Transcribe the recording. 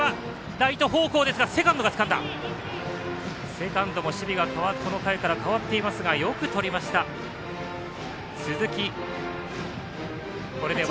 セカンドも守備がこの回からかわっていますがよくとりました、鈴木。